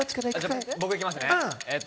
僕、行きますね。